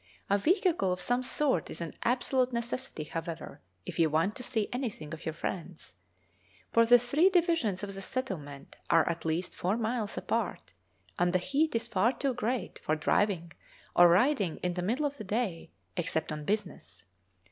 A vehicle of some sort is an absolute necessity, however, if you want to see anything of your friends, for the three divisions of the settlement are at least four miles apart, and the heat is far too great for driving or riding in the middle of the day, except on business.